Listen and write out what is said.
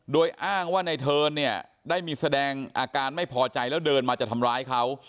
โดยอ้างว่าในเทิร์นเนี่ยได้มีแสดงอาการไม่พอใจแล้วเดินมาจะทำร้ายเขา